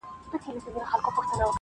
مبارک دي سه فطرت د پسرلیو,